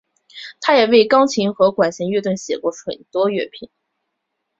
他也为钢琴和管弦乐队写过许多作品。